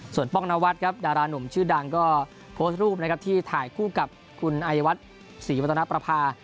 ส่วนป้องนวัดครับดารานุ่มชื่อดังก็โพสต์รูปนะครับที่ถ่ายคู่กับคุณอายวัฒน์ศรีวัฒนประภา